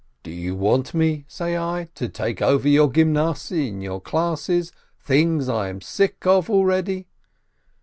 "Do you want me," say I, "to take over your Gymnasiye and your classes, things I'm sick of already